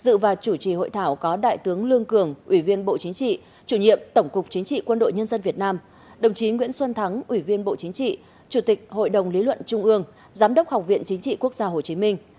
dự và chủ trì hội thảo có đại tướng lương cường ủy viên bộ chính trị chủ nhiệm tổng cục chính trị quân đội nhân dân việt nam đồng chí nguyễn xuân thắng ủy viên bộ chính trị chủ tịch hội đồng lý luận trung ương giám đốc học viện chính trị quốc gia hồ chí minh